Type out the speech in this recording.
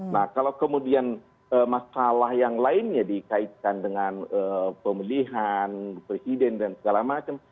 nah kalau kemudian masalah yang lainnya dikaitkan dengan pemilihan presiden dan segala macam